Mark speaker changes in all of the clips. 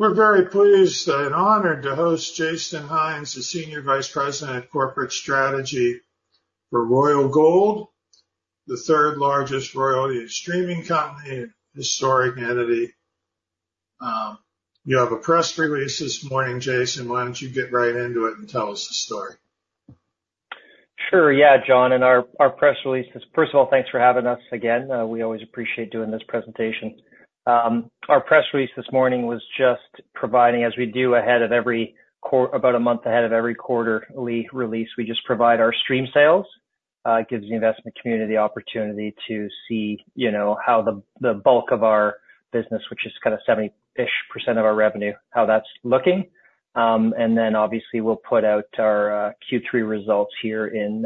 Speaker 1: We're very pleased and honored to host Jason Hynes, the Senior Vice President of Corporate Strategy for Royal Gold, the third largest royalty and streaming company, historic entity. You have a press release this morning, Jason. Why don't you get right into it and tell us the story?
Speaker 2: Sure, yeah, John, and our press release is. First of all, thanks for having us again. We always appreciate doing this presentation. Our press release this morning was just providing, as we do, ahead of every quarterly release, we just provide our stream sales. It gives the investment community the opportunity to see, you know, how the bulk of our business, which is kind of 70-ish% of our revenue, how that's looking. And then, obviously, we'll put out our Q3 results here in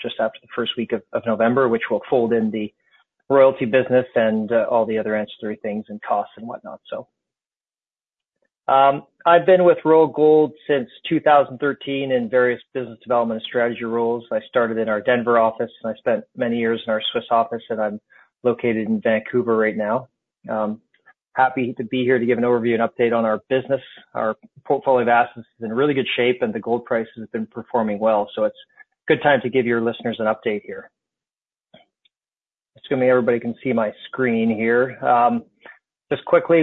Speaker 2: just after the first week of November, which will fold in the royalty business and all the other ancillary things and costs and whatnot, so. I've been with Royal Gold since 2013 in various business development and strategy roles. I started in our Denver office, and I spent many years in our Swiss office, and I'm located in Vancouver right now. Happy to be here to give an overview and update on our business. Our portfolio of assets is in really good shape, and the gold price has been performing well, so it's a good time to give your listeners an update here. Assume everybody can see my screen here. Just quickly,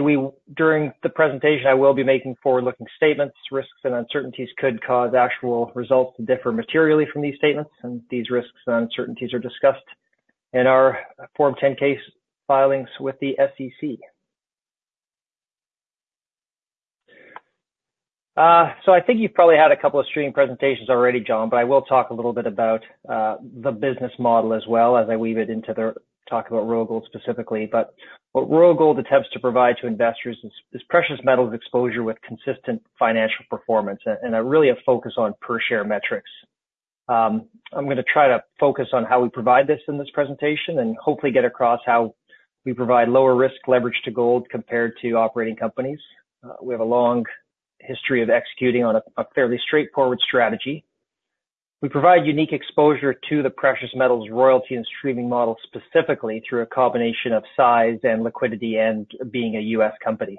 Speaker 2: during the presentation, I will be making forward-looking statements. Risks and uncertainties could cause actual results to differ materially from these statements, and these risks and uncertainties are discussed in our Form 10-K filings with the SEC. So I think you've probably had a couple of streaming presentations already, John, but I will talk a little bit about the business model as well, as I weave it into the talk about Royal Gold specifically. But what Royal Gold attempts to provide to investors is precious metals exposure with consistent financial performance and really a focus on per share metrics. I'm gonna try to focus on how we provide this in this presentation and hopefully get across how we provide lower risk leverage to gold compared to operating companies. We have a long history of executing on a fairly straightforward strategy. We provide unique exposure to the precious metals royalty and streaming model, specifically through a combination of size and liquidity and being a US company.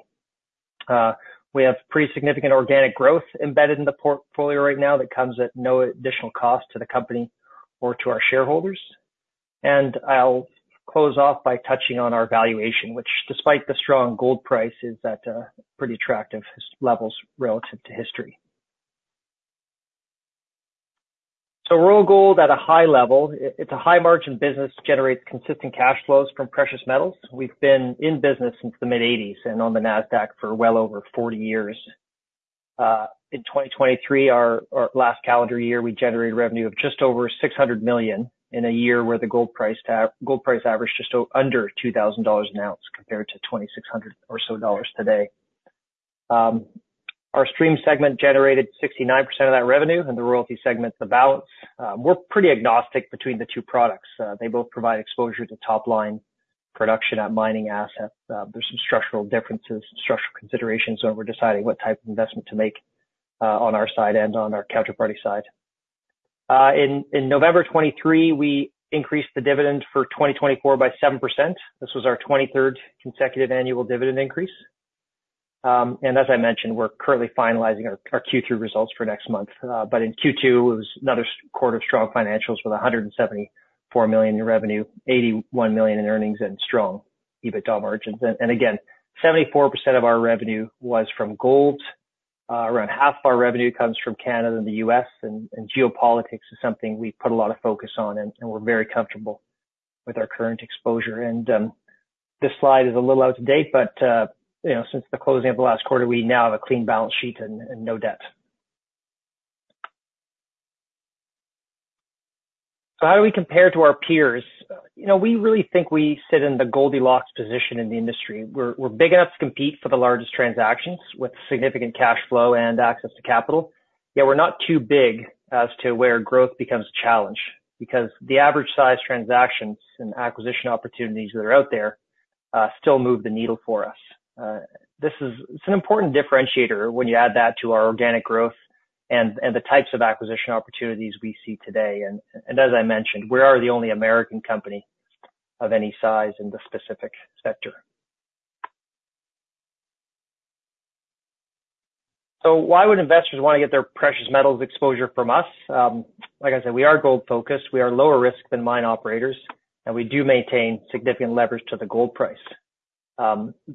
Speaker 2: We have pretty significant organic growth embedded in the portfolio right now that comes at no additional cost to the company or to our shareholders, and I'll close off by touching on our valuation, which, despite the strong gold price, is at pretty attractive levels relative to history, so Royal Gold, at a high level, it's a high-margin business, generates consistent cash flows from precious metals. We've been in business since the mid-1980s and on the Nasdaq for well over 40 years. In 2023, our last calendar year, we generated revenue of just over $600 million in a year, where the gold price averaged just under $2,000 an ounce, compared to $2,600 or so dollars today. Our stream segment generated 69% of that revenue, and the royalty segment's about. We're pretty agnostic between the two products. They both provide exposure to top-line production at mining assets. There's some structural differences and structural considerations when we're deciding what type of investment to make, on our side and on our counterparty side. In November 2023, we increased the dividend for 2024 by 7%. This was our twenty-third consecutive annual dividend increase. As I mentioned, we're currently finalizing our Q3 results for next month, but in Q2, it was another quarter of strong financials with $174 million in revenue, $81 million in earnings and strong EBITDA margins, and again, 74% of our revenue was from gold. Around half our revenue comes from Canada and the US, and geopolitics is something we put a lot of focus on, and we're very comfortable with our current exposure. And this slide is a little out of date, but you know, since the closing of the last quarter, we now have a clean balance sheet and no debt. So how do we compare to our peers? You know, we really think we sit in the Goldilocks position in the industry. We're big enough to compete for the largest transactions with significant cash flow and access to capital, yet we're not too big as to where growth becomes a challenge, because the average size transactions and acquisition opportunities that are out there still move the needle for us. This is... It's an important differentiator when you add that to our organic growth and the types of acquisition opportunities we see today, and as I mentioned, we are the only American company of any size in the specific sector. So why would investors want to get their precious metals exposure from us? Like I said, we are gold focused, we are lower risk than mine operators, and we do maintain significant leverage to the gold price.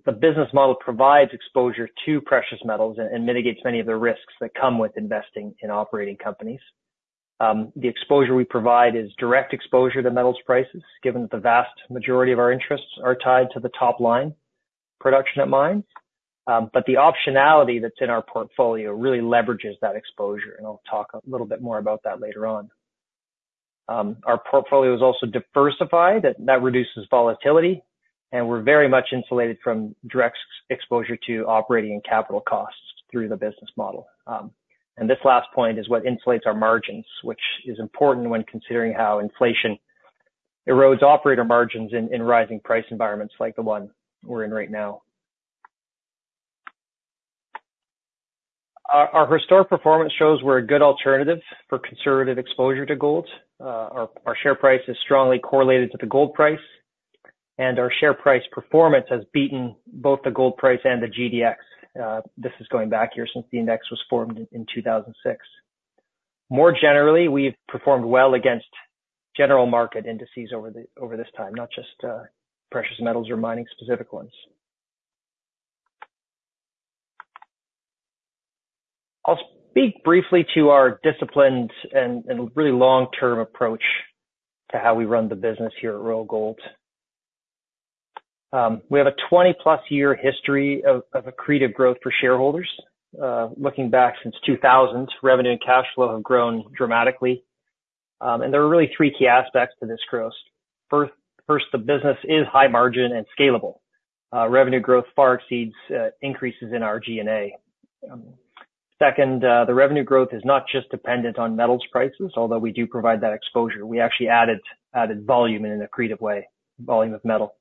Speaker 2: The business model provides exposure to precious metals and mitigates many of the risks that come with investing in operating companies. The exposure we provide is direct exposure to metals prices, given that the vast majority of our interests are tied to the top-line production at mines. But the optionality that's in our portfolio really leverages that exposure, and I'll talk a little bit more about that later on. Our portfolio is also diversified. That reduces volatility, and we're very much insulated from direct exposure to operating and capital costs through the business model. And this last point is what insulates our margins, which is important when considering how inflation erodes operator margins in rising price environments like the one we're in right now. Our historic performance shows we're a good alternative for conservative exposure to gold. Our share price is strongly correlated to the gold price, and our share price performance has beaten both the gold price and the GDX. This is going back here since the index was formed in 2006. More generally, we've performed well against general market indices over this time, not just precious metals or mining-specific ones. I'll speak briefly to our disciplines and really long-term approach to how we run the business here at Royal Gold. We have a twenty-plus year history of accretive growth for shareholders. Looking back since two thousand, revenue and cash flow have grown dramatically, and there are really three key aspects to this growth. First, the business is high margin and scalable. Revenue growth far exceeds increases in our G&A. Second, the revenue growth is not just dependent on metals prices, although we do provide that exposure. We actually added volume in an accretive way, volume of metal,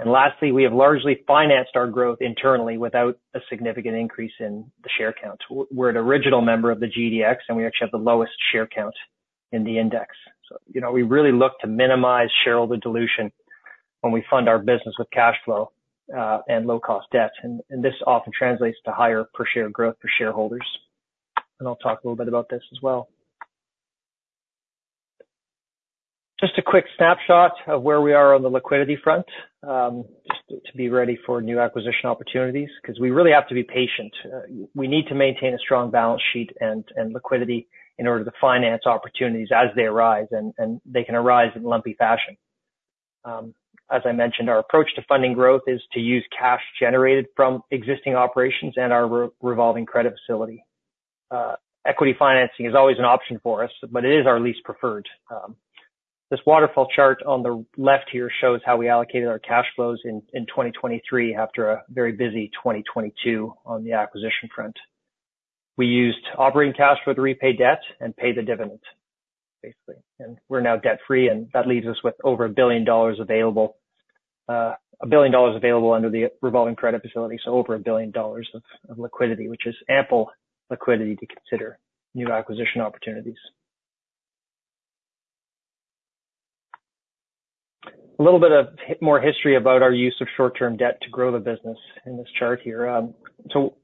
Speaker 2: and lastly, we have largely financed our growth internally without a significant increase in the share count. We're an original member of the GDX, and we actually have the lowest share count in the index, so you know, we really look to minimize shareholder dilution when we fund our business with cash flow, and low cost debt, and this often translates to higher per share growth for shareholders, and I'll talk a little bit about this as well. Just a quick snapshot of where we are on the liquidity front, just to be ready for new acquisition opportunities, because we really have to be patient. We need to maintain a strong balance sheet and liquidity in order to finance opportunities as they arise, and they can arise in lumpy fashion. As I mentioned, our approach to funding growth is to use cash generated from existing operations and our revolving credit facility. Equity financing is always an option for us, but it is our least preferred. This waterfall chart on the left here shows how we allocated our cash flows in 2023 after a very busy 2022 on the acquisition front. We used operating cash for the repay debt and paid the dividends, basically, and we're now debt free, and that leaves us with over $1 billion available, $1 billion available under the revolving credit facility, so over $1 billion of liquidity, which is ample liquidity to consider new acquisition opportunities. A little bit of more history about our use of short-term debt to grow the business in this chart here, so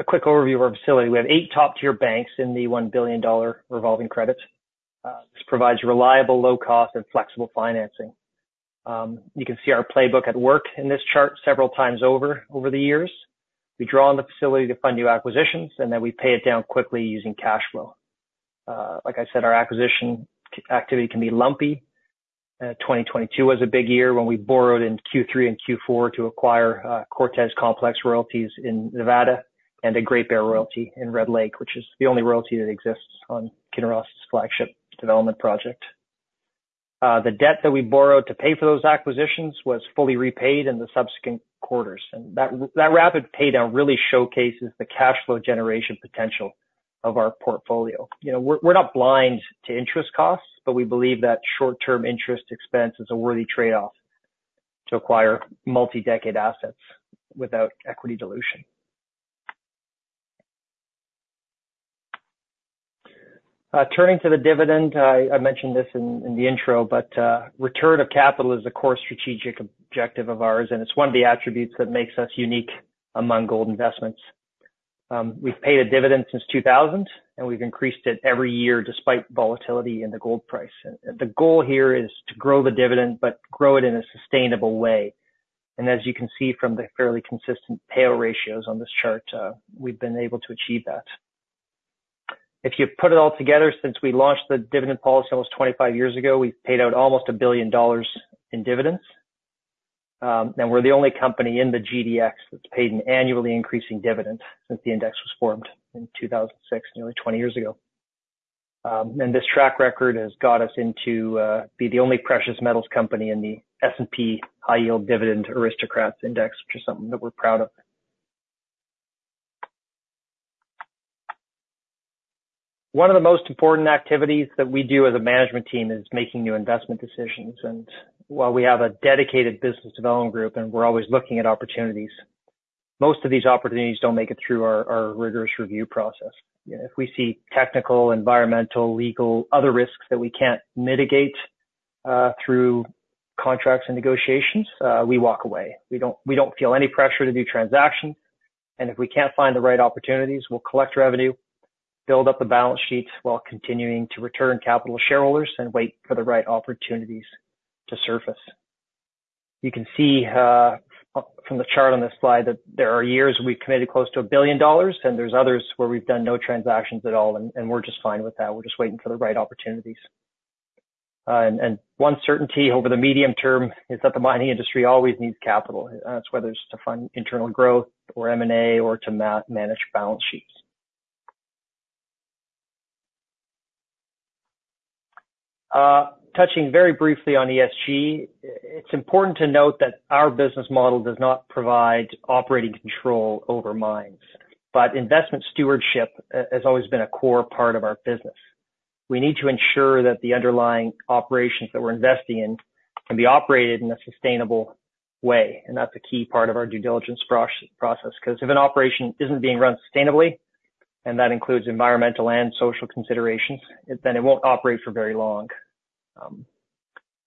Speaker 2: a quick overview of our facility. We have eight top-tier banks in the $1 billion revolving credit. This provides reliable, low cost, and flexible financing. You can see our playbook at work in this chart several times over, over the years. We draw on the facility to fund new acquisitions, and then we pay it down quickly using cash flow. Like I said, our acquisition activity can be lumpy. 2022 was a big year when we borrowed in Q3 and Q4 to acquire Cortez Complex royalties in Nevada and a Great Bear royalty in Red Lake, which is the only royalty that exists on Kinross' flagship development project. The debt that we borrowed to pay for those acquisitions was fully repaid in the subsequent quarters, and that rapid paydown really showcases the cash flow generation potential of our portfolio. You know, we're not blind to interest costs, but we believe that short-term interest expense is a worthy trade-off to acquire multi-decade assets without equity dilution. Turning to the dividend, I mentioned this in the intro, but return of capital is a core strategic objective of ours, and it's one of the attributes that makes us unique among gold investments. We've paid a dividend since 2000, and we've increased it every year despite volatility in the gold price. And the goal here is to grow the dividend, but grow it in a sustainable way. And as you can see from the fairly consistent payout ratios on this chart, we've been able to achieve that. If you put it all together, since we launched the dividend policy almost 25 years ago, we've paid out almost $1 billion in dividends. And we're the only company in the GDX that's paid an annually increasing dividend since the index was formed in 2006, nearly 20 years ago. This track record has got us into being the only precious metals company in the S&P High Yield Dividend Aristocrats Index, which is something that we're proud of. One of the most important activities that we do as a management team is making new investment decisions. While we have a dedicated business development group, and we're always looking at opportunities, most of these opportunities don't make it through our rigorous review process. You know, if we see technical, environmental, legal, other risks that we can't mitigate through contracts and negotiations, we walk away. We don't feel any pressure to do transactions, and if we can't find the right opportunities, we'll collect revenue, build up the balance sheets while continuing to return capital to shareholders and wait for the right opportunities to surface. You can see from the chart on this slide that there are years we've committed close to $1 billion, and there's others where we've done no transactions at all, and we're just fine with that. We're just waiting for the right opportunities. One certainty over the medium term is that the mining industry always needs capital, whether it's to fund internal growth or M&A or to manage balance sheets. Touching very briefly on ESG, it's important to note that our business model does not provide operating control over mines, but investment stewardship has always been a core part of our business.... We need to ensure that the underlying operations that we're investing in can be operated in a sustainable way, and that's a key part of our due diligence process, because if an operation isn't being run sustainably, and that includes environmental and social considerations, then it won't operate for very long.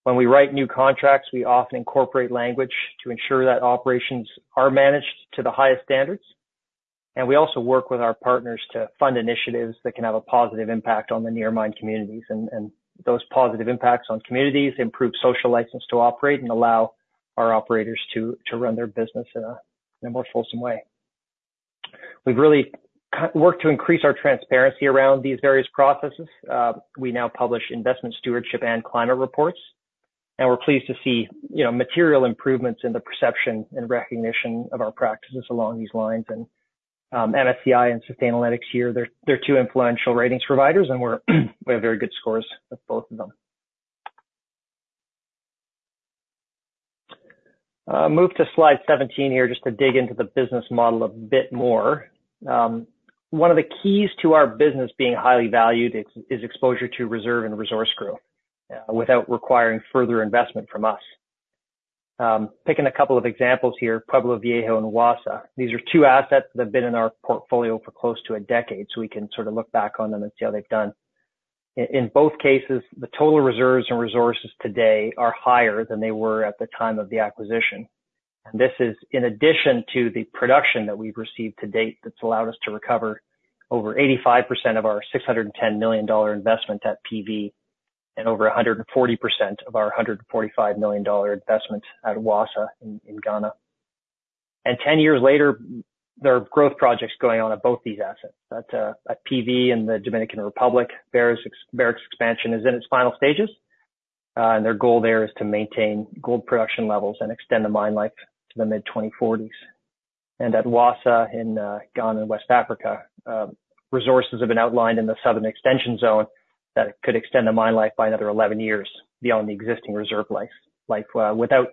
Speaker 2: When we write new contracts, we often incorporate language to ensure that operations are managed to the highest standards, and we also work with our partners to fund initiatives that can have a positive impact on the near mine communities, and those positive impacts on communities improve social license to operate and allow our operators to run their business in a more fulsome way. We've really co-worked to increase our transparency around these various processes. We now publish investment stewardship and climate reports, and we're pleased to see, you know, material improvements in the perception and recognition of our practices along these lines. And, MSCI and Sustainalytics here, they're two influential ratings providers, and we have very good scores with both of them. Move to slide seventeen here, just to dig into the business model a bit more. One of the keys to our business being highly valued is exposure to reserve and resource growth, without requiring further investment from us. Picking a couple of examples here, Pueblo Viejo and Wassa. These are two assets that have been in our portfolio for close to a decade, so we can sort of look back on them and see how they've done. In both cases, the total reserves and resources today are higher than they were at the time of the acquisition. And this is in addition to the production that we've received to date, that's allowed us to recover over 85% of our $610 million investment at PV, and over 140% of our $145 million investment at Wassa in Ghana. And 10 years later, there are growth projects going on at both these assets. At PV in the Dominican Republic, Barrick's expansion is in its final stages, and their goal there is to maintain gold production levels and extend the mine life to the mid-2040s. At Wassa, in Ghana, in West Africa, resources have been outlined in the Southern Extension zone that could extend the mine life by another 11 years beyond the existing reserve life. They have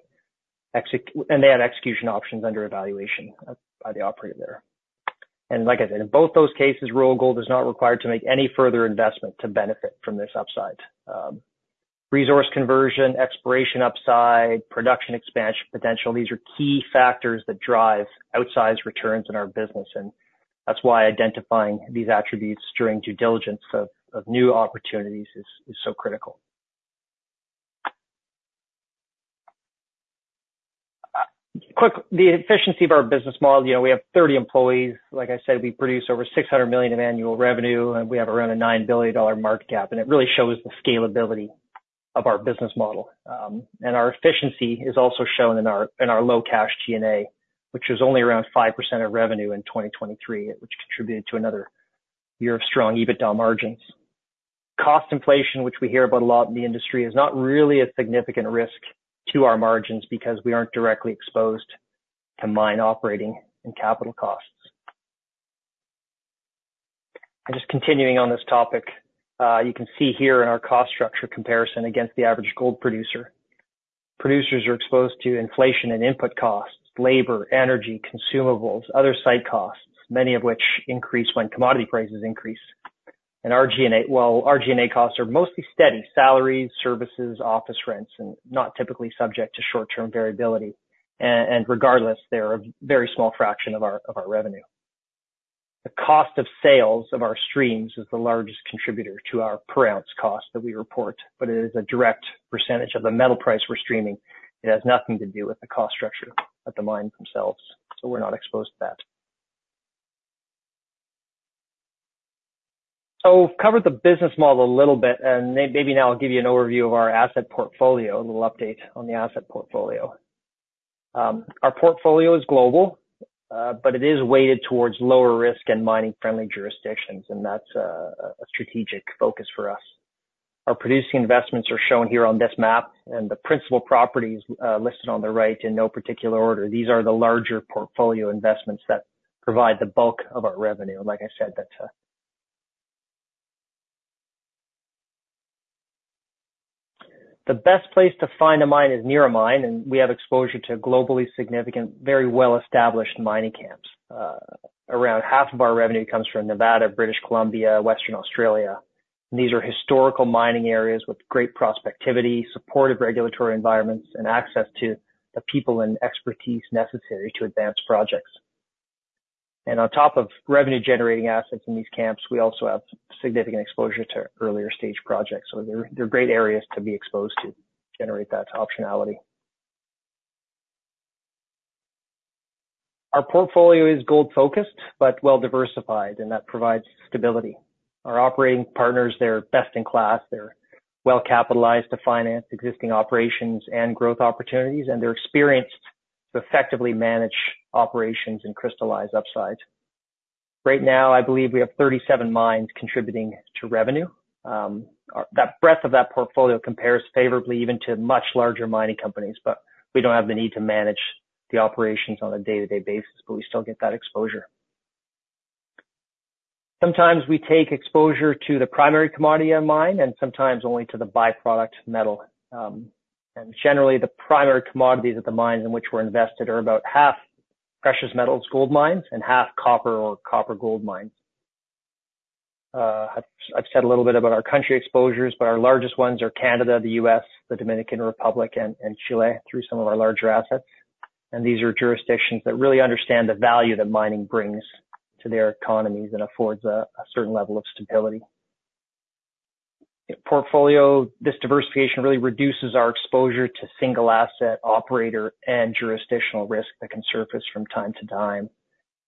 Speaker 2: execution options under evaluation by the operator there. Like I said, in both those cases, Royal Gold is not required to make any further investment to benefit from this upside. Resource conversion, exploration upside, production expansion potential, these are key factors that drive outsized returns in our business, and that's why identifying these attributes during due diligence of new opportunities is so critical. Quickly, the efficiency of our business model, you know, we have 30 employees. Like I said, we produce over $600 million in annual revenue, and we have around a $9 billion market cap, and it really shows the scalability of our business model. And our efficiency is also shown in our low cash G&A, which is only around 5% of revenue in 2023, which contributed to another year of strong EBITDA margins. Cost inflation, which we hear about a lot in the industry, is not really a significant risk to our margins because we aren't directly exposed to mine operating and capital costs. And just continuing on this topic, you can see here in our cost structure comparison against the average gold producer. Producers are exposed to inflation and input costs, labor, energy, consumables, other site costs, many of which increase when commodity prices increase. And our G&A... Our G&A costs are mostly steady, salaries, services, office rents, and not typically subject to short-term variability. Regardless, they're a very small fraction of our revenue. The cost of sales of our streams is the largest contributor to our per ounce cost that we report, but it is a direct percentage of the metal price we're streaming. It has nothing to do with the cost structure of the mine themselves, so we're not exposed to that. We've covered the business model a little bit, and maybe now I'll give you an overview of our asset portfolio, a little update on the asset portfolio. Our portfolio is global, but it is weighted towards lower risk and mining-friendly jurisdictions, and that's a strategic focus for us. Our producing investments are shown here on this map, and the principal properties listed on the right in no particular order. These are the larger portfolio investments that provide the bulk of our revenue. And like I said, that's the best place to find a mine is near a mine, and we have exposure to globally significant, very well-established mining camps. Around half of our revenue comes from Nevada, British Columbia, Western Australia. And these are historical mining areas with great prospectivity, supportive regulatory environments, and access to the people and expertise necessary to advance projects. And on top of revenue-generating assets in these camps, we also have significant exposure to earlier stage projects. So they're great areas to be exposed to, generate that optionality. Our portfolio is gold-focused, but well-diversified, and that provides stability. Our operating partners, they're best in class. They're well-capitalized to finance existing operations and growth opportunities, and they're experienced to effectively manage operations and crystallize upsides. Right now, I believe we have 37 mines contributing to revenue. That breadth of that portfolio compares favorably even to much larger mining companies, but we don't have the need to manage the operations on a day-to-day basis, but we still get that exposure. Sometimes we take exposure to the primary commodity on mine, and sometimes only to the byproduct metal. And generally, the primary commodities at the mines in which we're invested are about half precious metals gold mines and half copper or copper gold mines. I've said a little bit about our country exposures, but our largest ones are Canada, the U.S., the Dominican Republic, and Chile, through some of our larger assets. These are jurisdictions that really understand the value that mining brings to their economies and affords a certain level of stability. The portfolio, this diversification really reduces our exposure to single asset operator and jurisdictional risk that can surface from time to time.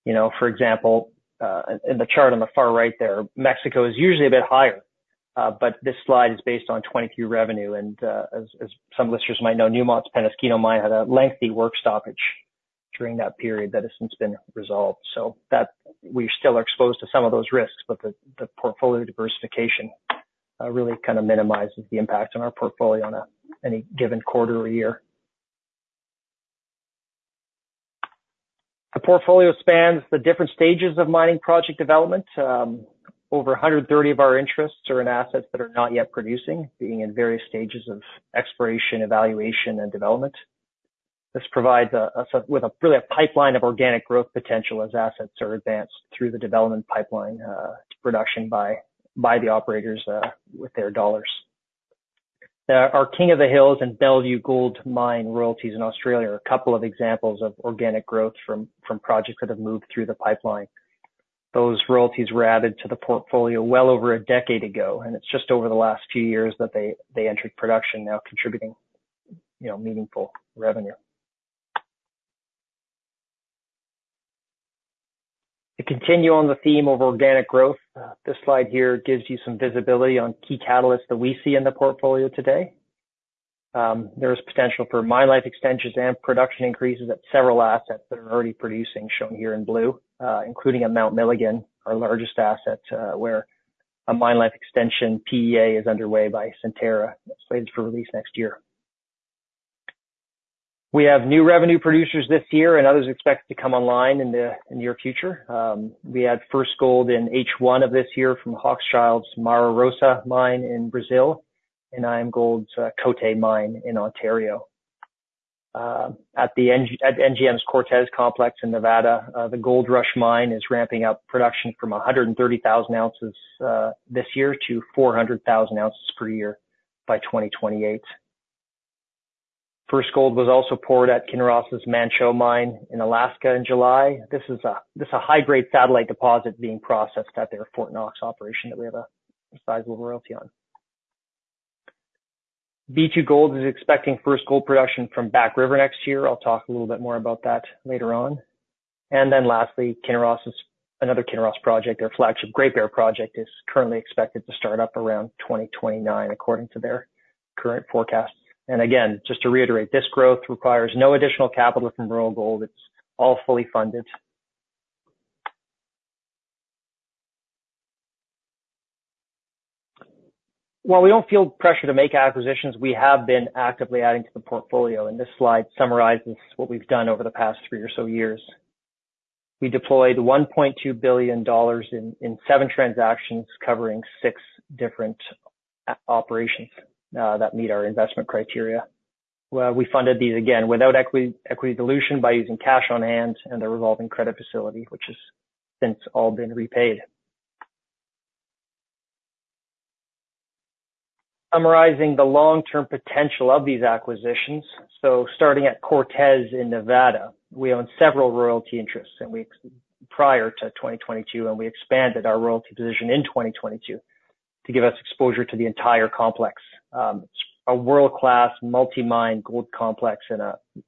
Speaker 2: You know, for example, in the chart on the far right there, Mexico is usually a bit higher, but this slide is based on 2022 revenue. As some listeners might know, Newmont's Peñasquito Mine had a lengthy work stoppage during that period that has since been resolved. That we still are exposed to some of those risks, but the portfolio diversification really kind of minimizes the impact on our portfolio on any given quarter or year. The portfolio spans the different stages of mining project development. Over 130 of our interests are in assets that are not yet producing, being in various stages of exploration, evaluation, and development. This provides us with a real pipeline of organic growth potential as assets are advanced through the development pipeline to production by the operators with their dollars. Our King of the Hills and Bellevue Gold Mine royalties in Australia are a couple of examples of organic growth from projects that have moved through the pipeline. Those royalties were added to the portfolio well over a decade ago, and it's just over the last few years that they entered production, now contributing, you know, meaningful revenue. To continue on the theme of organic growth, this slide here gives you some visibility on key catalysts that we see in the portfolio today. There is potential for mine life extensions and production increases at several assets that are already producing, shown here in blue, including at Mount Milligan, our largest asset, where a mine life extension PEA is underway by Centerra, slated for release next year. We have new revenue producers this year, and others expect to come online in the near future. We had first gold in H1 of this year from Hochschild's Mara Rosa mine in Brazil and IAMGOLD's Côté mine in Ontario. At NGM's Cortez Complex in Nevada, the Goldrush mine is ramping up production from 130,000 ounces this year to 400,000 ounces per year by 2028. First gold was also poured at Kinross's Manh Choh mine in Alaska in July. This is a high-grade satellite deposit being processed at their Fort Knox operation that we have a sizable royalty on. B2Gold is expecting first gold production from Back River next year. I'll talk a little bit more about that later on. And then lastly, Kinross's, another Kinross project, their flagship Great Bear project, is currently expected to start up around 2029, according to their current forecast. And again, just to reiterate, this growth requires no additional capital from Royal Gold. It's all fully funded. While we don't feel pressure to make acquisitions, we have been actively adding to the portfolio, and this slide summarizes what we've done over the past three or so years. We deployed $1.2 billion in seven transactions, covering six different operations that meet our investment criteria. We funded these again without equity, equity dilution by using cash on hand and a revolving credit facility, which has since all been repaid. Summarizing the long-term potential of these acquisitions. Starting at Cortez in Nevada, we own several royalty interests prior to 2022, and we expanded our royalty position in 2022 to give us exposure to the entire complex. A world-class, multi-mine gold complex in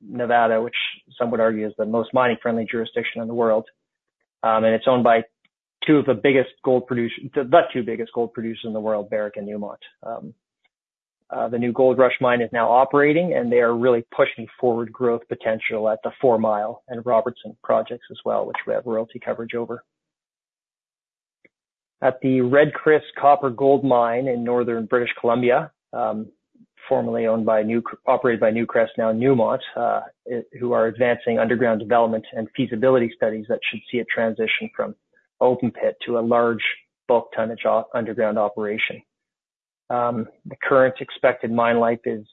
Speaker 2: Nevada, which some would argue is the most mining-friendly jurisdiction in the world. And it's owned by two of the biggest gold producers in the world, Barrick and Newmont. The new Goldrush mine is now operating, and they are really pushing forward growth potential at the Fourmile and Robertson projects as well, which we have royalty coverage over. At the Red Chris Copper Gold Mine in northern British Columbia, formerly owned by Newcrest, operated by Newcrest, now Newmont, who are advancing underground development and feasibility studies that should see a transition from open pit to a large bulk tonnage underground operation. The current expected mine life is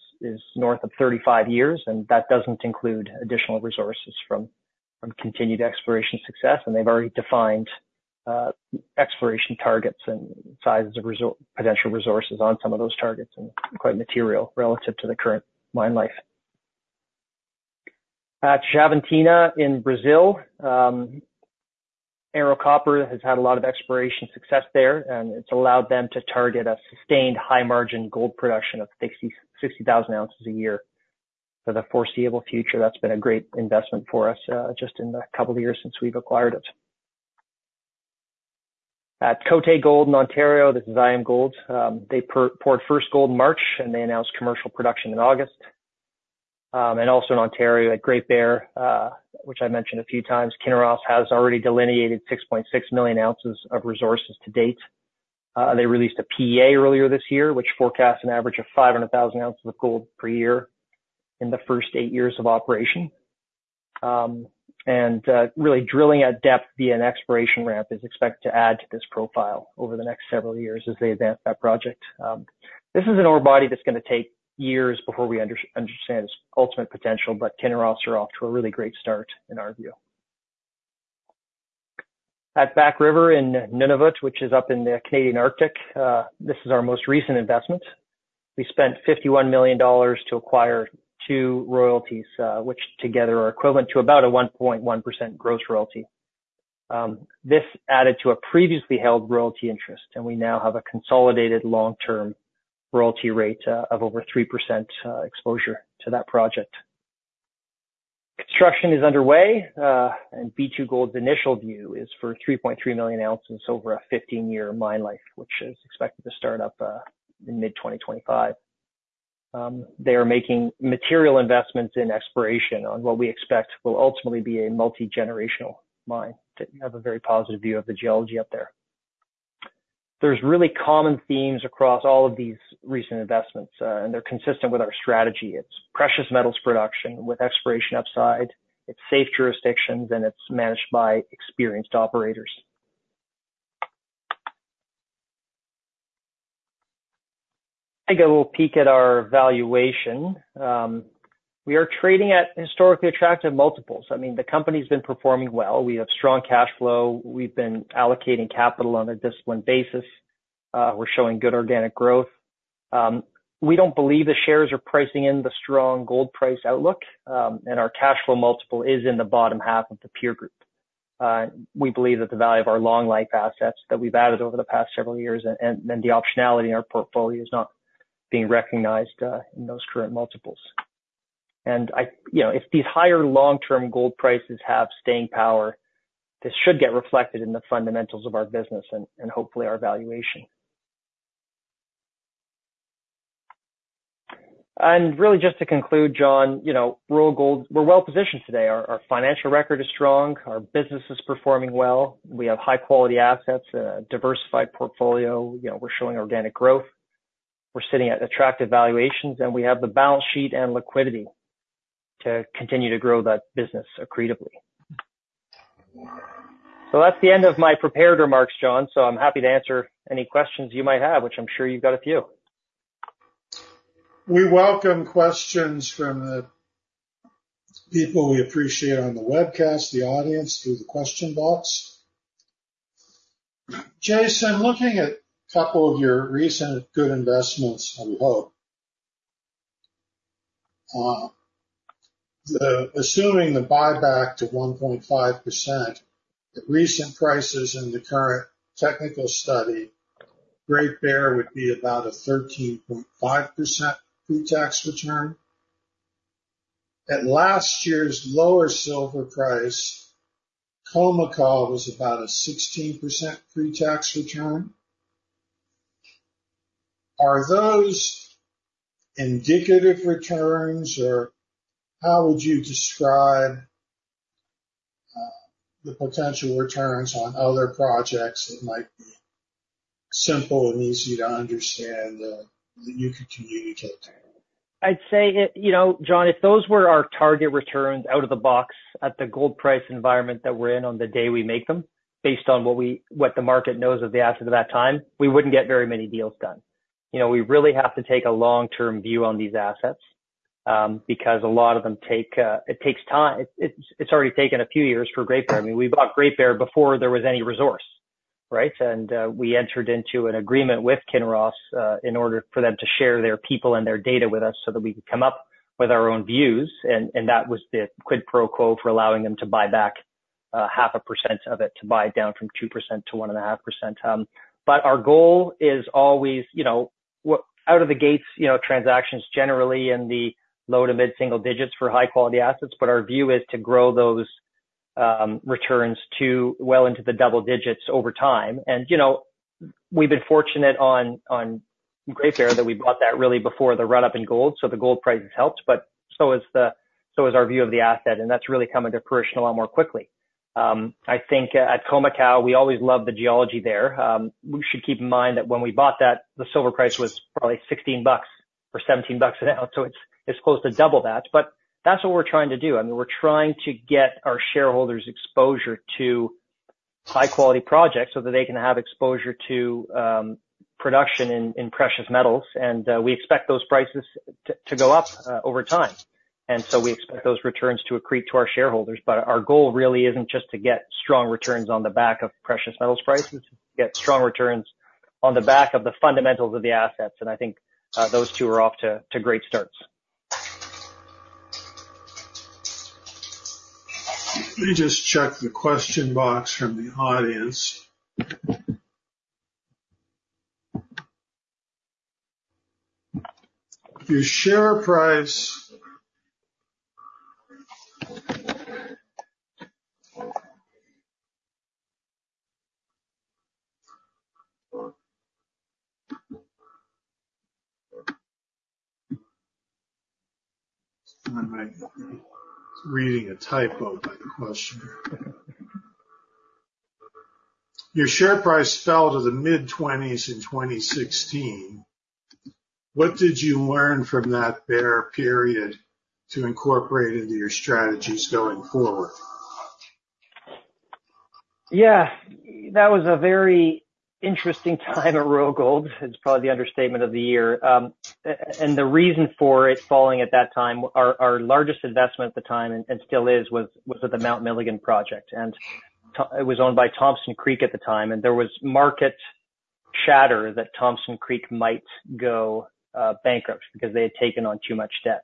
Speaker 2: north of 35 years, and that doesn't include additional resources from continued exploration success, and they've already defined exploration targets and sizes of potential resources on some of those targets, and quite material relative to the current mine life. At Xavantina in Brazil, Ero Copper has had a lot of exploration success there, and it's allowed them to target a sustained high-margin gold production of 60,000 ounces a year for the foreseeable future. That's been a great investment for us just in the couple of years since we've acquired it. At Côté Gold in Ontario, this is IAMGOLD's. They poured first gold in March, and they announced commercial production in August. Also in Ontario, at Great Bear, which I mentioned a few times, Kinross has already delineated 6.6 million ounces of resources to date. They released a PEA earlier this year, which forecasts an average of 500,000 ounces of gold per year in the first eight years of operation. Really drilling at depth via an exploration ramp is expected to add to this profile over the next several years as they advance that project. This is an ore body that's going to take years before we understand its ultimate potential, but Kinross are off to a really great start, in our view. At Back River in Nunavut, which is up in the Canadian Arctic, this is our most recent investment. We spent $51 million to acquire two royalties, which together are equivalent to about a 1.1% gross royalty. This added to a previously held royalty interest, and we now have a consolidated long-term royalty rate of over 3% exposure to that project. Construction is underway, and B2Gold's initial view is for 3.3 million ounces over a 15-year mine life, which is expected to start up in mid-2025. They are making material investments in exploration on what we expect will ultimately be a multigenerational mine, to have a very positive view of the geology up there. There's really common themes across all of these recent investments, and they're consistent with our strategy. It's precious metals production with exploration upside, it's safe jurisdictions, and it's managed by experienced operators. Take a little peek at our valuation. We are trading at historically attractive multiples. I mean, the company's been performing well. We have strong cash flow. We've been allocating capital on a disciplined basis. We're showing good organic growth. We don't believe the shares are pricing in the strong gold price outlook, and our cash flow multiple is in the bottom half of the peer group. We believe that the value of our long life assets that we've added over the past several years and the optionality in our portfolio is not being recognized in those current multiples. You know, if these higher long-term gold prices have staying power, this should get reflected in the fundamentals of our business and hopefully our valuation. Really, just to conclude, John, you know, Royal Gold, we're well positioned today. Our financial record is strong, our business is performing well. We have high-quality assets, a diversified portfolio, you know, we're showing organic growth. We're sitting at attractive valuations, and we have the balance sheet and liquidity to continue to grow that business accretively. So that's the end of my prepared remarks, John, so I'm happy to answer any questions you might have, which I'm sure you've got a few.
Speaker 1: We welcome questions from the people we appreciate on the webcast, the audience, through the question box. Jason, looking at a couple of your recent good investments, we hope, assuming the buyback to 1.5%, the recent prices in the current technical study, Great Bear would be about a 13.5% pre-tax return. At last year's lower silver price, Khoemacau was about a 16% pre-tax return. Are those indicative returns, or how would you describe, the potential returns on other projects that might be simple and easy to understand, that you could communicate?
Speaker 2: I'd say that, you know, John, if those were our target returns out of the box at the gold price environment that we're in on the day we make them, based on what the market knows of the asset at that time, we wouldn't get very many deals done. You know, we really have to take a long-term view on these assets, because a lot of them take time. It's already taken a few years for Great Bear. I mean, we bought Great Bear before there was any resource, right? We entered into an agreement with Kinross in order for them to share their people and their data with us, so that we could come up with our own views, and that was the quid pro quo for allowing them to buy back 0.5% of it, to buy it down from 2% to 1.5%. But our goal is always, you know, what out of the gates, you know, transactions generally in the low to mid-single digits for high-quality assets, but our view is to grow those returns to well into the double digits over time. You know, we've been fortunate on Great Bear that we bought that really before the run-up in gold. So the gold price has helped, but so has our view of the asset, and that's really coming to fruition a lot more quickly. I think at Khoemacau, we always love the geology there. We should keep in mind that when we bought that, the silver price was probably $16 or $17 an ounce, so it's close to double that. But that's what we're trying to do. I mean, we're trying to get our shareholders exposure to high-quality projects so that they can have exposure to production in precious metals, and we expect those prices to go up over time. And so we expect those returns to accrete to our shareholders. But our goal really isn't just to get strong returns on the back of precious metals prices, get strong returns on the back of the fundamentals of the assets, and I think, those two are off to great starts.
Speaker 1: Let me just check the question box from the audience. Your share price... I'm reading a typo type question. Your share price fell to the mid-twenties in 2016. What did you learn from that bear period to incorporate into your strategies going forward?...
Speaker 2: Yeah, that was a very interesting time at Royal Gold. It's probably the understatement of the year. And the reason for it falling at that time, our largest investment at the time, and still is, was at the Mount Milligan project, and it was owned by Thompson Creek at the time, and there was market chatter that Thompson Creek might go bankrupt because they had taken on too much debt.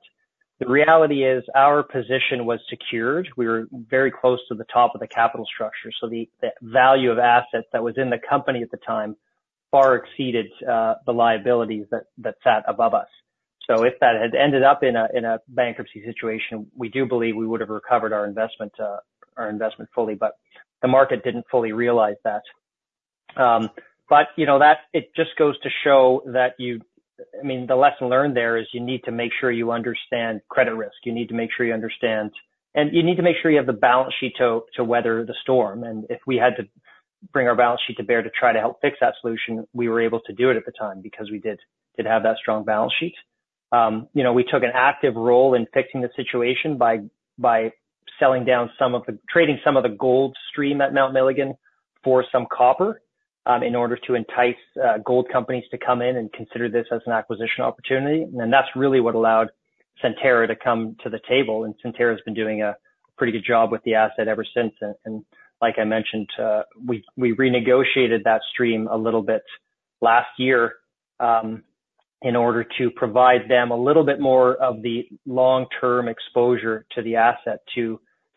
Speaker 2: The reality is, our position was secured. We were very close to the top of the capital structure, so the value of assets that was in the company at the time far exceeded the liabilities that sat above us. So if that had ended up in a bankruptcy situation, we do believe we would have recovered our investment fully, but the market didn't fully realize that. But, you know, that it just goes to show that you I mean, the lesson learned there is you need to make sure you understand credit risk. You need to make sure you understand. And you need to make sure you have the balance sheet to weather the storm. And if we had to bring our balance sheet to bear to try to help fix that solution, we were able to do it at the time because we did have that strong balance sheet. You know, we took an active role in fixing the situation by selling down some of the, trading some of the gold stream at Mount Milligan for some copper in order to entice gold companies to come in and consider this as an acquisition opportunity. That's really what allowed Centerra to come to the table, and Centerra's been doing a pretty good job with the asset ever since. Like I mentioned, we renegotiated that stream a little bit last year in order to provide them a little bit more of the long-term exposure to the asset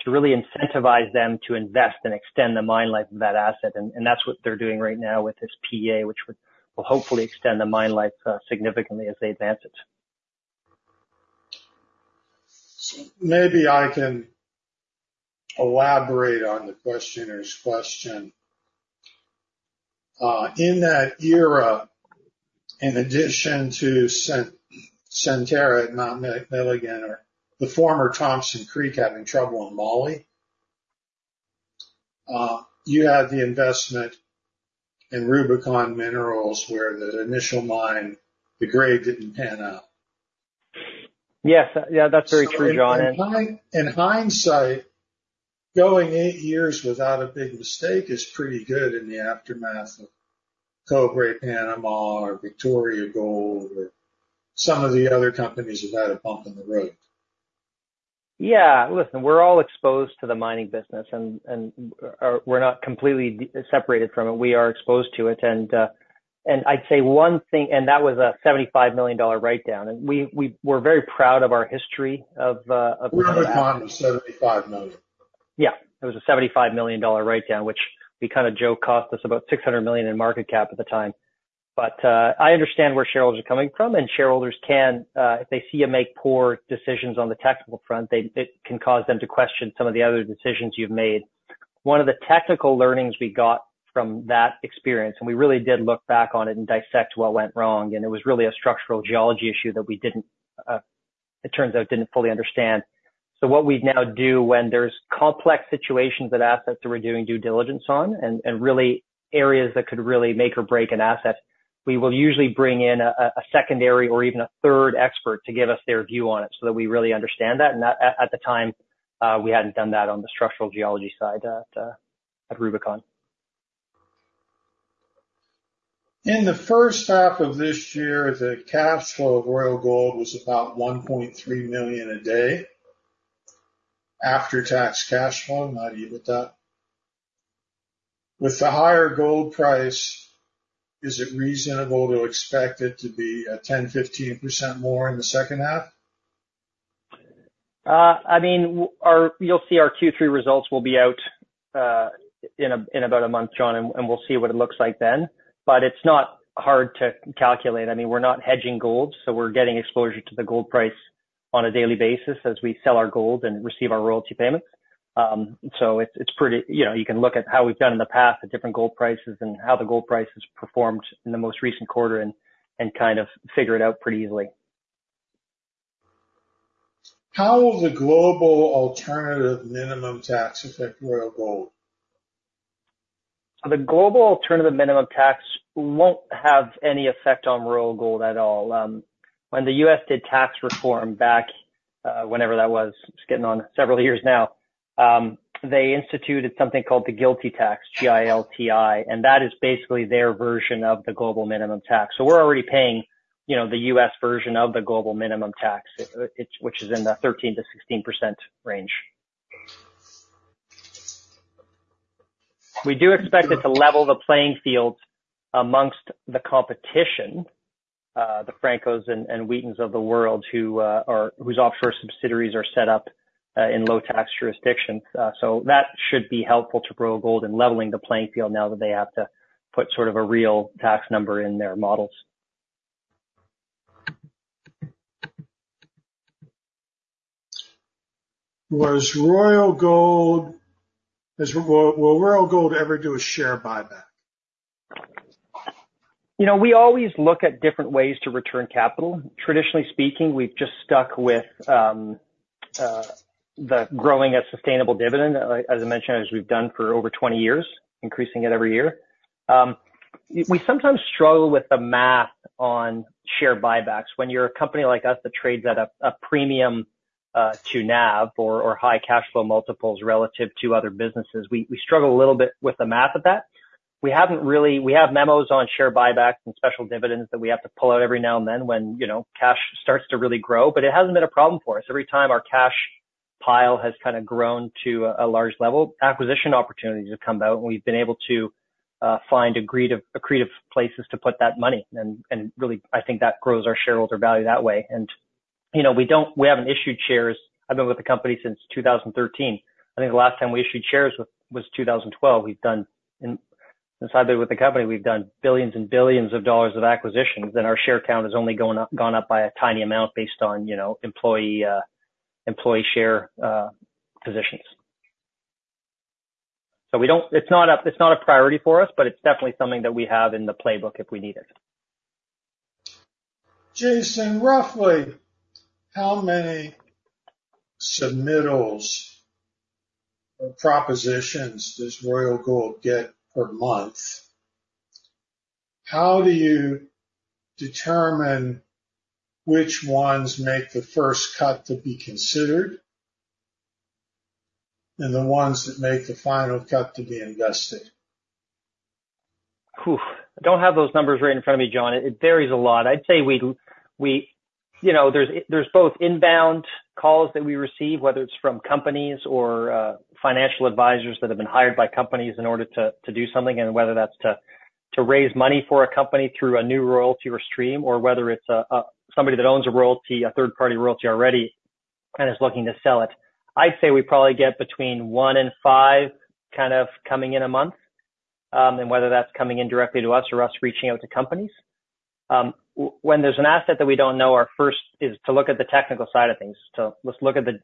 Speaker 2: to really incentivize them to invest and extend the mine life of that asset. That's what they're doing right now with this PEA, which will hopefully extend the mine life significantly as they advance it.
Speaker 1: Maybe I can elaborate on the questioner's question. In that era, in addition to Centerra at Mount Milligan, or the former Thompson Creek, having trouble in moly, you had the investment in Rubicon Minerals, where the initial mine, the grade didn't pan out.
Speaker 2: Yes. Yeah, that's very true, John.
Speaker 1: In hindsight, going eight years without a big mistake is pretty good in the aftermath of Cobre Panama or Victoria Gold or some of the other companies that had a bump in the road.
Speaker 2: Yeah. Listen, we're all exposed to the mining business, and we're not completely de-separated from it. We are exposed to it, and I'd say one thing, and that was a $75 million write-down, and we're very proud of our history of,
Speaker 1: We're only talking $75 million.
Speaker 2: Yeah. It was a $75 million write-down, which we kind of joke, cost us about $600 million in market cap at the time. But, I understand where shareholders are coming from, and shareholders can, if they see you make poor decisions on the technical front, they, it can cause them to question some of the other decisions you've made. One of the technical learnings we got from that experience, and we really did look back on it and dissect what went wrong, and it was really a structural geology issue that we didn't, it turns out, didn't fully understand. So what we now do when there's complex situations at assets that we're doing due diligence on and really areas that could really make or break an asset, we will usually bring in a secondary or even a third expert to give us their view on it so that we really understand that. And at the time, we hadn't done that on the structural geology side at Rubicon.
Speaker 1: In the first half of this year, the cash flow of Royal Gold was about $1.3 million a day, after-tax cash flow. I'm happy with that. With the higher gold price, is it reasonable to expect it to be 10%-15% more in the second half?
Speaker 2: I mean, our. You'll see our Q3 results will be out in about a month, John, and we'll see what it looks like then. But it's not hard to calculate. I mean, we're not hedging gold, so we're getting exposure to the gold price on a daily basis as we sell our gold and receive our royalty payments. So it's pretty. You know, you can look at how we've done in the past at different gold prices and how the gold price has performed in the most recent quarter and kind of figure it out pretty easily.
Speaker 1: How will the global alternative minimum tax affect Royal Gold?
Speaker 2: The global alternative minimum tax won't have any effect on Royal Gold at all. When the U.S. did tax reform back, whenever that was, it's getting on several years now, they instituted something called the GILTI tax, G-I-L-T-I, and that is basically their version of the global minimum tax. So we're already paying, you know, the U.S. version of the global minimum tax, it, which is in the 13%-16% range. We do expect it to level the playing field amongst the competition, the Francos and Wheatons of the world, whose offshore subsidiaries are set up in low-tax jurisdictions. So that should be helpful to Royal Gold in leveling the playing field now that they have to put sort of a real tax number in their models.
Speaker 1: Will Royal Gold ever do a share buyback?
Speaker 2: You know, we always look at different ways to return capital. Traditionally speaking, we've just stuck with the growing a sustainable dividend, as I mentioned, as we've done for over twenty years, increasing it every year. We sometimes struggle with the math on share buybacks. When you're a company like us that trades at a premium to NAV or high cash flow multiples relative to other businesses. We struggle a little bit with the math of that. We have memos on share buybacks and special dividends that we have to pull out every now and then when, you know, cash starts to really grow, but it hasn't been a problem for us. Every time our cash pile has kind of grown to a large level, acquisition opportunities have come out, and we've been able to find accretive places to put that money. And really, I think that grows our shareholder value that way. And, you know, we don't, we haven't issued shares. I've been with the company since 2013. I think the last time we issued shares was 2012. We've done, since I've been with the company, we've done billions and billions of dollars of acquisitions, and our share count has only gone up by a tiny amount based on, you know, employee share positions. So we don't... It's not a priority for us, but it's definitely something that we have in the playbook if we need it.
Speaker 1: Jason, roughly how many submittals or propositions does Royal Gold get per month? How do you determine which ones make the first cut to be considered, and the ones that make the final cut to be invested?
Speaker 2: Whew! I don't have those numbers right in front of me, John. It varies a lot. I'd say we, you know, there's both inbound calls that we receive, whether it's from companies or financial advisors that have been hired by companies in order to do something, and whether that's to raise money for a company through a new royalty or stream, or whether it's somebody that owns a royalty, a third-party royalty already, and is looking to sell it. I'd say we probably get between one and five, kind of coming in a month, and whether that's coming in directly to us or us reaching out to companies. When there's an asset that we don't know, our first is to look at the technical side of things. So let's look at the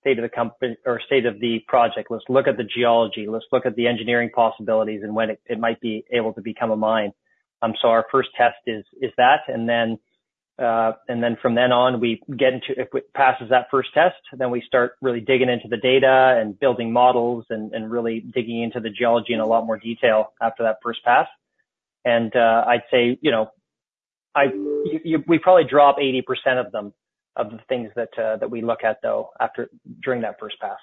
Speaker 2: state of the company or state of the project. Let's look at the geology. Let's look at the engineering possibilities and when it might be able to become a mine. So our first test is that, and then from then on, we get into... If it passes that first test, then we start really digging into the data and building models and really digging into the geology in a lot more detail after that first pass. And I'd say, you know, we probably drop 80% of them, of the things that we look at, though, after during that first pass.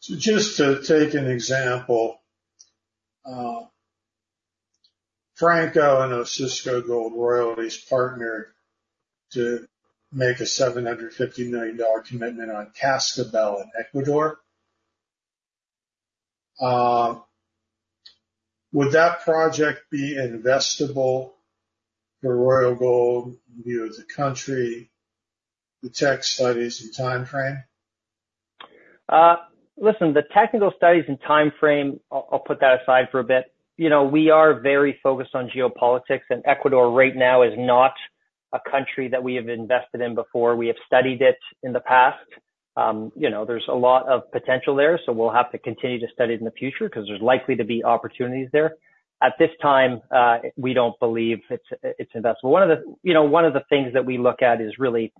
Speaker 1: So just to take an example, Franco and Osisko Gold Royalties partnered to make a $750 million commitment on Cascabel in Ecuador. Would that project be investable for Royal Gold, view as a country, the tech studies and timeframe?
Speaker 2: Listen, the technical studies and timeframe, I'll put that aside for a bit. You know, we are very focused on geopolitics, and Ecuador right now is not a country that we have invested in before. We have studied it in the past. You know, there's a lot of potential there, so we'll have to continue to study it in the future because there's likely to be opportunities there. At this time, we don't believe it's investable. One of the things that we look at is really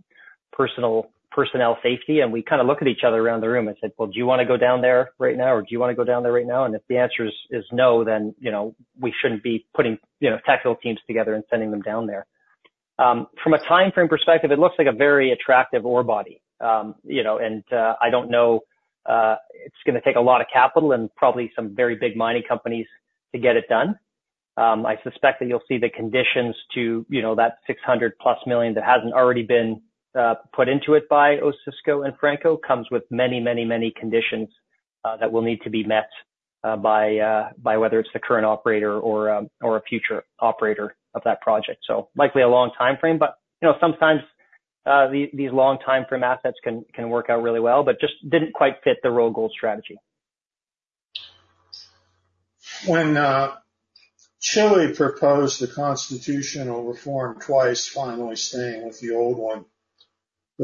Speaker 2: personal, personnel safety, and we kind of look at each other around the room and say, "Well, do you want to go down there right now, or do you want to go down there right now?" And if the answer is no, then, you know, we shouldn't be putting, you know, technical teams together and sending them down there. From a timeframe perspective, it looks like a very attractive ore body. It's gonna take a lot of capital and probably some very big mining companies to get it done. I suspect that you'll see the conditions to, you know, that $600 million-plus that hasn't already been put into it by Osisko and Franco comes with many, many, many conditions that will need to be met by whether it's the current operator or a future operator of that project. So likely a long timeframe, but, you know, sometimes these long timeframe assets can work out really well, but just didn't quite fit the Royal Gold strategy.
Speaker 1: When Chile proposed the constitutional reform twice, finally staying with the old one,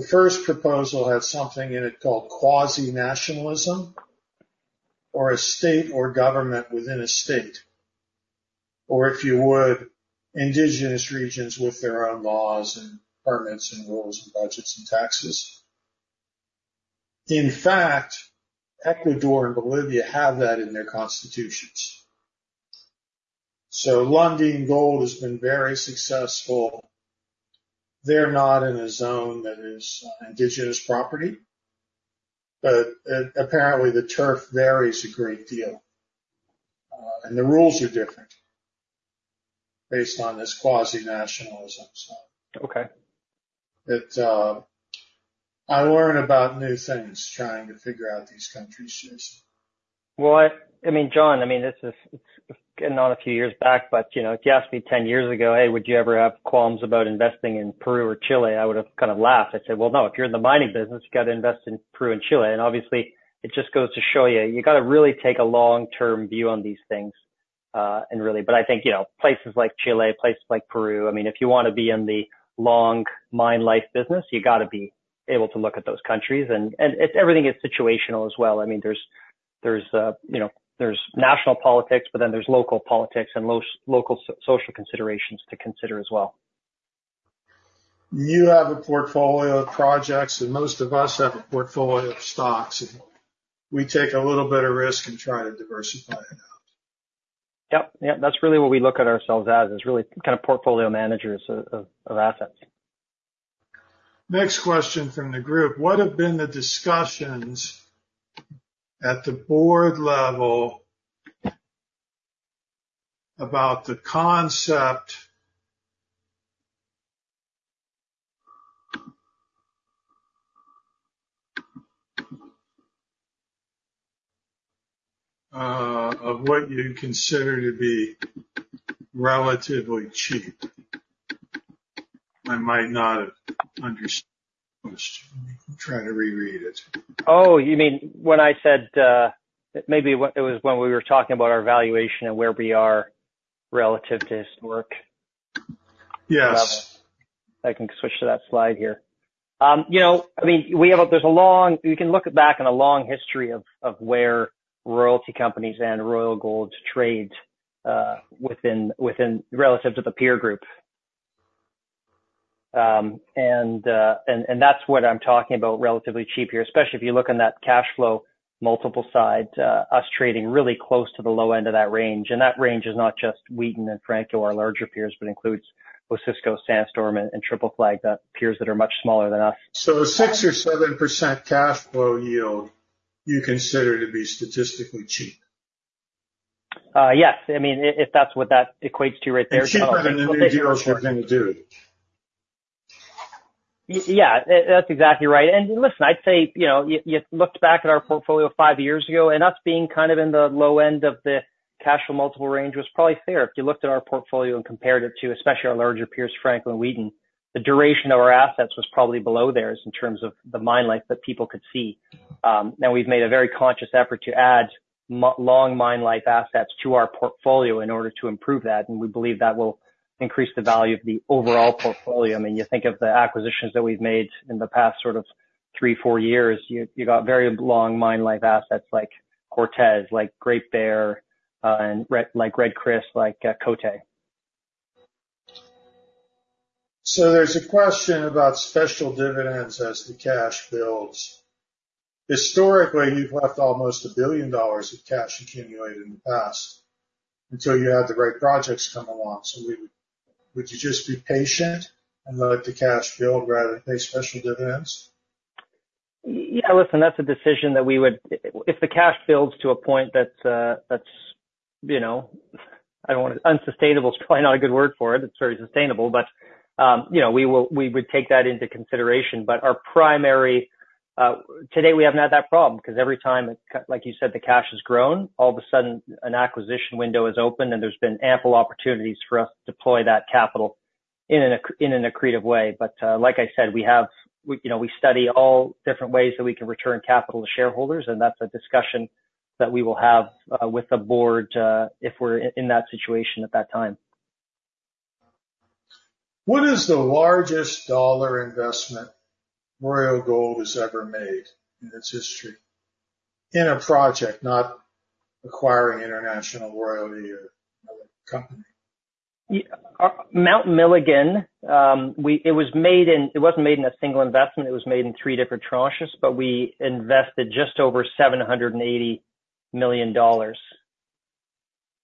Speaker 1: the first proposal had something in it called quasi-nationalism, or a state or government within a state, or if you would, Indigenous regions with their own laws and permits and rules and budgets and taxes. In fact, Ecuador and Bolivia have that in their constitutions. So Lundin Gold has been very successful. They're not in a zone that is Indigenous property, but apparently, the turf varies a great deal, and the rules are different based on this quasi-nationalism, so.
Speaker 2: Okay.
Speaker 1: I learn about new things trying to figure out these countries, Jason.
Speaker 2: I mean, John, this is getting on a few years back, but you know, if you asked me ten years ago, "Hey, would you ever have qualms about investing in Peru or Chile?" I would have kind of laughed. I'd say, "Well, no. If you're in the mining business, you got to invest in Peru and Chile." And obviously, it just goes to show you, you got to really take a long-term view on these things, and really, I think you know, places like Chile, places like Peru, I mean, if you want to be in the long mine life business, you got to be able to look at those countries, and it's everything is situational as well. I mean, there's, you know, there's national politics, but then there's local politics and local social considerations to consider as well.
Speaker 1: You have a portfolio of projects, and most of us have a portfolio of stocks. We take a little bit of risk and try to diversify it out.
Speaker 2: Yep, yep, that's really what we look at ourselves as, is really kind of portfolio managers of assets.
Speaker 1: Next question from the group: What have been the discussions at the board level about the concept of what you consider to be relatively cheap? I might not have understood. Let me try to reread it.
Speaker 2: Oh, you mean when I said, maybe what it was when we were talking about our valuation and where we are relative to historic?
Speaker 1: Yes.
Speaker 2: I can switch to that slide here. You know, I mean, we have a-- there's a long... You can look back on a long history of where royalty companies and Royal Gold's trade within relative to the peer group. And that's what I'm talking about, relatively cheap here, especially if you look on that cash flow multiple side, us trading really close to the low end of that range. And that range is not just Wheaton and Franco, our larger peers, but includes Osisko, Sandstorm, and Triple Flag, the peers that are much smaller than us.
Speaker 1: So 6% or 7% cash flow yield, you consider to be statistically cheap?
Speaker 2: Yes. I mean, if that's what that equates to right there.
Speaker 1: And cheaper than the deals we're going to do.
Speaker 2: Yeah, that's exactly right. And listen, I'd say, you know, you looked back at our portfolio five years ago, and us being kind of in the low end of the cash flow multiple range was probably fair. If you looked at our portfolio and compared it to, especially our larger peers, Franco-Nevada, Wheaton, the duration of our assets was probably below theirs in terms of the mine life that people could see. Now we've made a very conscious effort to add long mine life assets to our portfolio in order to improve that, and we believe that will increase the value of the overall portfolio. I mean, you think of the acquisitions that we've made in the past sort of three, four years, you got very long mine life assets like Cortez, like Great Bear, and Red Chris, like Côté.
Speaker 1: So there's a question about special dividends as the cash builds. Historically, you've left almost $1 billion of cash accumulated in the past until you had the right projects come along. Would you just be patient and let the cash build rather than pay special dividends?
Speaker 2: Yeah, listen, that's a decision that we would. If the cash builds to a point that, you know, I don't want it, unsustainable is probably not a good word for it. It's very sustainable, but, you know, we would take that into consideration. But our primary, today, we haven't had that problem, 'cause every time, like you said, the cash has grown, all of a sudden, an acquisition window is open, and there's been ample opportunities for us to deploy that capital in an accretive way. But, like I said, we, you know, we study all different ways that we can return capital to shareholders, and that's a discussion that we will have, with the board, if we're in that situation at that time.
Speaker 1: What is the largest dollar investment Royal Gold has ever made in its history? In a project, not acquiring International Royalty or another company.
Speaker 2: Mount Milligan. It wasn't made in a single investment, it was made in three different tranches, but we invested just over $780 million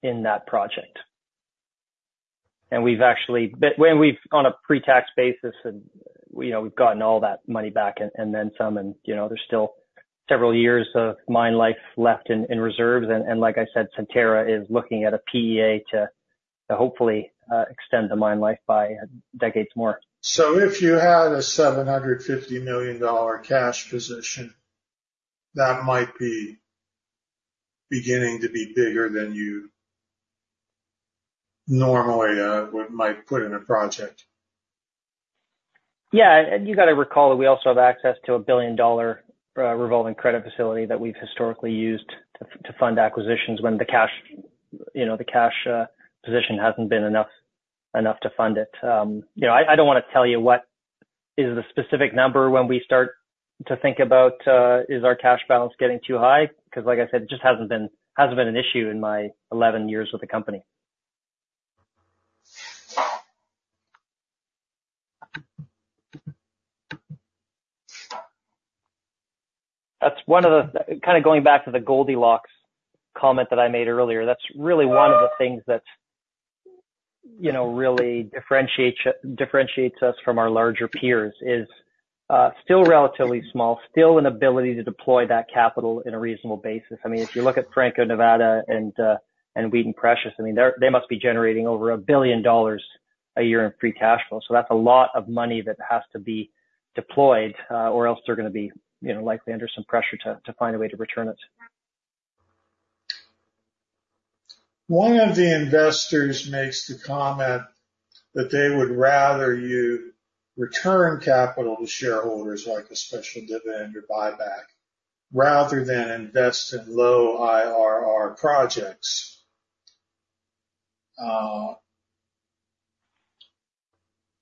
Speaker 2: in that project. And we've actually gotten all that money back on a pre-tax basis, you know, and then some, you know, there's still several years of mine life left in reserves. And like I said, Centerra is looking at a PEA to hopefully extend the mine life by decades more.
Speaker 1: If you had a $750 million cash position, that might be beginning to be bigger than you normally would put in a project?
Speaker 2: Yeah, and you got to recall that we also have access to a $1 billion-dollar revolving credit facility that we've historically used to fund acquisitions when the cash, you know, the cash position hasn't been enough to fund it. You know, I don't wanna tell you what is the specific number when we start to think about is our cash balance getting too high? 'Cause like I said, it just hasn't been an issue in my 11 years with the company. That's one of the... Kinda going back to the Goldilocks comment that I made earlier, that's really one of the things that, you know, really differentiates us from our larger peers, is still relatively small, still an ability to deploy that capital in a reasonable basis. I mean, if you look at Franco-Nevada and Wheaton Precious, I mean, they must be generating over $1 billion a year in free cash flow. So that's a lot of money that has to be deployed, or else they're gonna be, you know, likely under some pressure to find a way to return it.
Speaker 1: One of the investors makes the comment that they would rather you return capital to shareholders, like a special dividend or buyback, rather than invest in low IRR projects.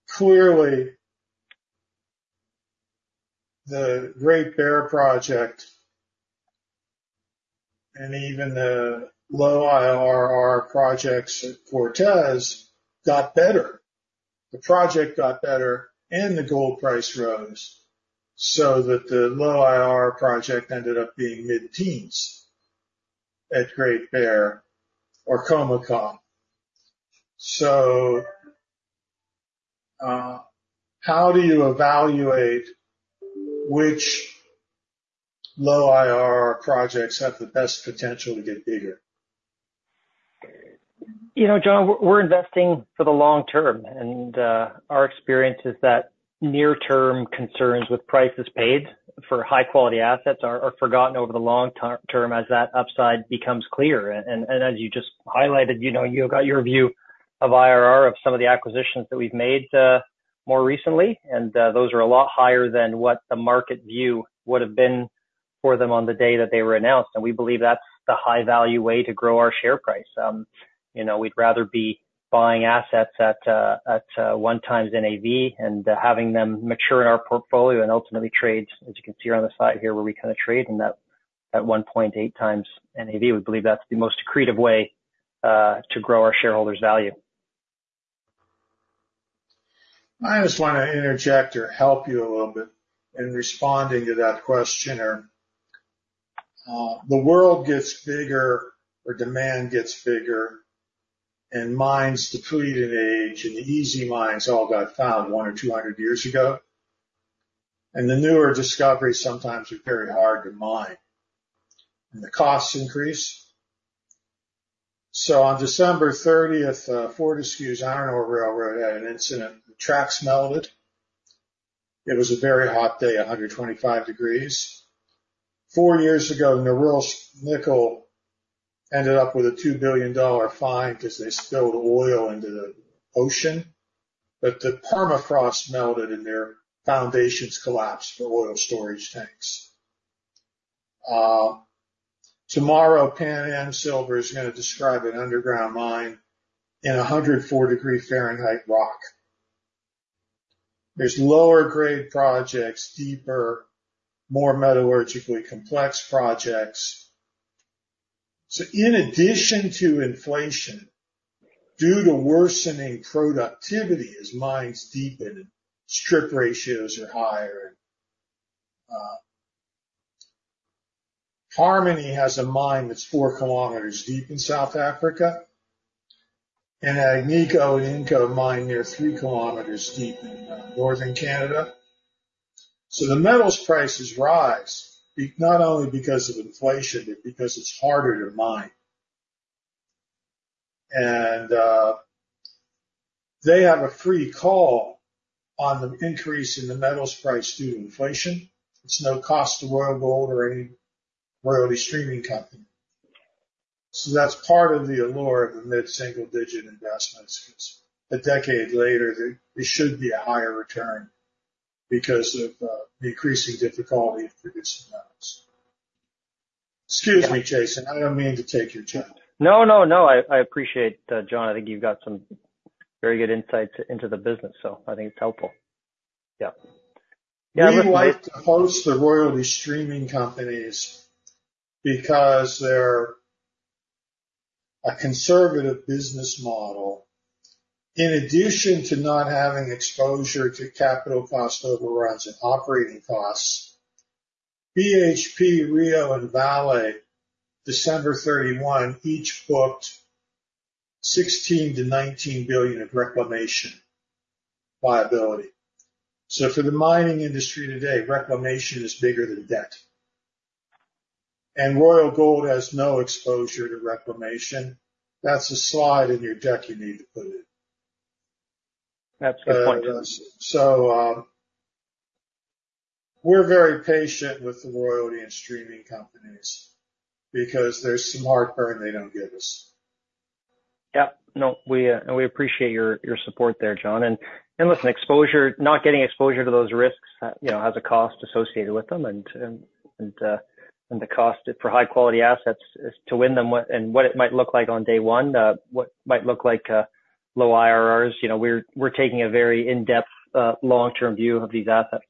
Speaker 1: Clearly, the Great Bear project and even the low IRR projects at Cortez got better. The project got better, and the gold price rose, so that the low IRR project ended up being mid-teens at Great Bear or Khoemacau. So, how do you evaluate which low IRR projects have the best potential to get bigger?
Speaker 2: You know, John, we're investing for the long term, and our experience is that near-term concerns with prices paid for high-quality assets are forgotten over the long term as that upside becomes clear. And as you just highlighted, you know, you've got your view of IRR of some of the acquisitions that we've made more recently, and those are a lot higher than what the market view would have been for them on the day that they were announced. And we believe that's the high-value way to grow our share price. You know, we'd rather be buying assets at one times NAV and having them mature in our portfolio and ultimately trade, as you can see around the slide here, where we kind of trade in that at one point eight times NAV. We believe that's the most accretive way to grow our shareholders' value.
Speaker 1: I just want to interject or help you a little bit in responding to that questioner. The world gets bigger, or demand gets bigger, and mines deplete in age, and the easy mines all got found one or two hundred years ago. The newer discoveries sometimes are very hard to mine, and the costs increase. On December thirtieth, Fortescue's iron ore railroad had an incident. The tracks melted. It was a very hot day, 125 degrees. Four years ago, Norilsk Nickel ended up with a $2 billion fine because they spilled oil into the ocean, but the permafrost melted, and their foundations collapsed for oil storage tanks. Tomorrow, Pan Am Silver is going to describe an underground mine in 104 degrees Fahrenheit rock. There are lower-grade projects, deeper, more metallurgically complex projects. So in addition to inflation, due to worsening productivity as mines deepen and strip ratios are higher, Harmony has a mine that's four kilometers deep in South Africa, and Agnico Eagle mine, they're three kilometers deep in Northern Canada. So the metals prices rise, not only because of inflation, but because it's harder to mine. And, they have a free call on the increase in the metals price due to inflation. It's no cost to Royal Gold or any royalty streaming company. So that's part of the allure of the mid-single-digit investments, because a decade later, there should be a higher return because of, the increasing difficulty of producing metals. Excuse me, Jason, I don't mean to take your time.
Speaker 2: No, no, no. I appreciate that, John. I think you've got some very good insights into the business, so I think it's helpful. Yep.
Speaker 1: We like to host the royalty streaming companies because they're a conservative business model. In addition to not having exposure to capital cost overruns and operating costs, BHP, Rio, and Vale, December 31, each booked $16-19 billion of reclamation liability. So for the mining industry today, reclamation is bigger than debt, and Royal Gold has no exposure to reclamation. That's a slide in your deck you need to put in.
Speaker 2: That's a good point.
Speaker 1: We're very patient with the royalty and streaming companies because there's some hard-earned they don't give us.
Speaker 2: Yep. No, we and we appreciate your support there, John, and listen, exposure, not getting exposure to those risks, you know, has a cost associated with them, and the cost for high-quality assets is to win them, and what it might look like on day one, what might look like low IRRs. You know, we're taking a very in-depth long-term view of these assets.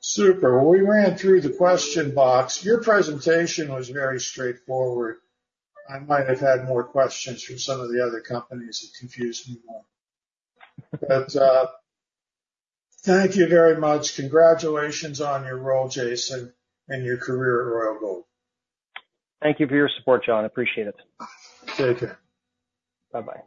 Speaker 1: Super. We ran through the question box. Your presentation was very straightforward. I might have had more questions from some of the other companies that confused me more. But, thank you very much. Congratulations on your role, Jason, and your career at Royal Gold.
Speaker 2: Thank you for your support, John. I appreciate it.
Speaker 1: Take care.
Speaker 2: Bye-bye.